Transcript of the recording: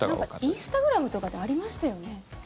インスタグラムとかでありましたよね。